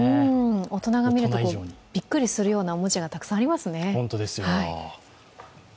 大人が見ると、びっくりするようなおもちゃがたくさんありますね。